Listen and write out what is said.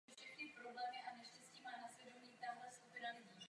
Má krátké vousy.